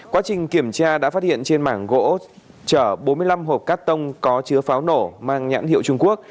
quá trình kiểm tra đã phát hiện trên mảng gỗ chở bốn mươi năm hộp cắt tông có chứa pháo nổ mang nhãn hiệu trung quốc